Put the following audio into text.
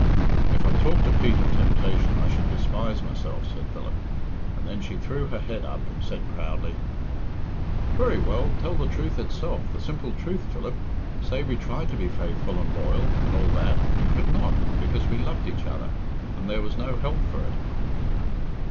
"If I talked to Pete of temptation I should despise myself," said Philip; and then she threw her head up and said proudly "Very well, tell the truth itself the simple truth, Philip. Say we tried to be faithful and loyal, and all that, and could not, because we loved each other, and there was no help for it."